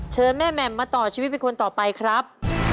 เชิญแม่แหม่มมาต่อชีวิตเป็นคนต่อไปครับ